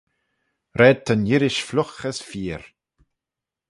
Raad ta'n earish fliugh as feayr.